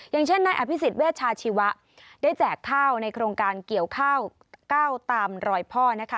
อย่างเช่นนายอภิษฎเวชาชีวะได้แจกข้าวในโครงการเกี่ยวข้าวก้าวตามรอยพ่อนะคะ